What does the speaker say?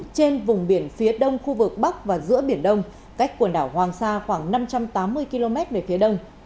trên vùng biển phía đông khu vực bắc và giữa biển đông cách quần đảo hoàng sa khoảng năm trăm tám mươi km về phía đông